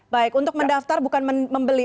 baik untuk mendaftar bukan membeli